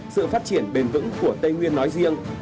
sự phát triển bền vững của tây nguyên nói riêng